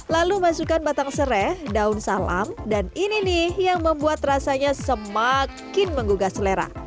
lalu masukkan batang serai daun salam dan ini nih yang membuat rasanya semakin menggugah selera